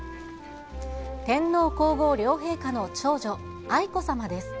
天皇皇后両陛下の長女、愛子さまです。